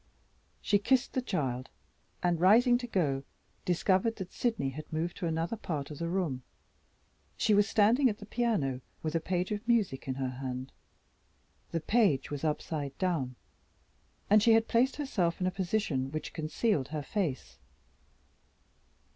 She kissed the child, and, rising to go, discovered that Sydney had moved to another part of the room. She was standing at the piano, with a page of music in her hand. The page was upside down and she had placed herself in a position which concealed her face.